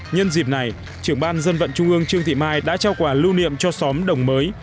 nhân dịp này trưởng ban dân vận trung ương trương thị mai đã trao quà lưu niệm cho xóm đồng mới